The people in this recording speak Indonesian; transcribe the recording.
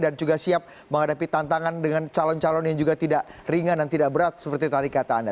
juga siap menghadapi tantangan dengan calon calon yang juga tidak ringan dan tidak berat seperti tadi kata anda